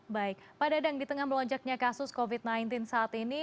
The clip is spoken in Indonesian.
baik pak dadang di tengah melonjaknya kasus covid sembilan belas saat ini